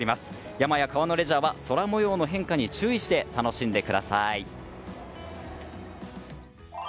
山や川のレジャーは空模様の変化に注意して楽しんでください。